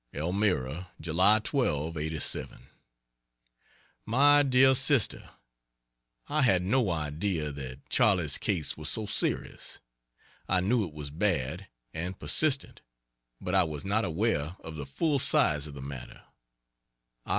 ELMIRA, July 12, '87 MY DEAR SISTER, I had no idea that Charley's case was so serious. I knew it was bad, and persistent, but I was not aware of the full size of the matter.